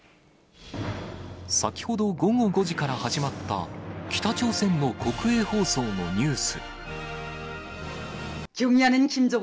先ほど午後５時から始まった北朝鮮の国営放送のニュース。